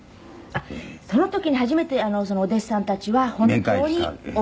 「あっその時に初めてそのお弟子さんたちは本当にお悪かったのだ